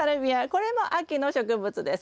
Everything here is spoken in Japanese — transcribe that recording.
これも秋の植物です。